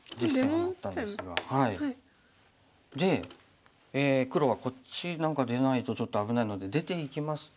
で黒はこっち何か出ないとちょっと危ないので出ていきますと。